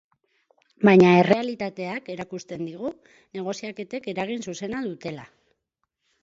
Baina errealitateak erakusten digu negoziaketek eragin zuzena dutela.